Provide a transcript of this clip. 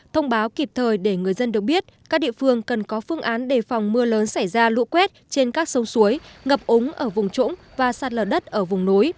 thông báo kịp thời để người dân được biết các địa phương cần có phương án đề phòng mưa lớn xảy ra lũ quét trên các sông suối ngập úng ở vùng trũng và sạt lở đất ở vùng núi